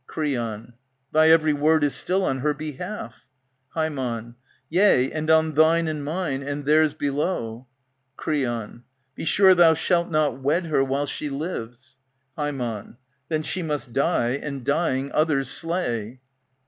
Creon, Thy every word is still on her behalf Ham, Yea, and on thine and mine, and Theirs below. Creon, Be sure thou shalt not wed her while she lives. ^^ Ham, Then she must die, and, dying, others slay.